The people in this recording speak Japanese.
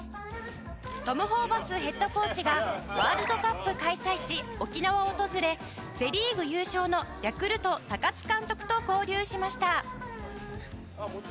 トム・ホーバスヘッドコーチがワールドカップ開催地沖縄を訪れセ・リーグ優勝のヤクルト高津監督と合流しました。